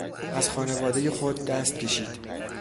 از خانوادهٔ خود دست کشید.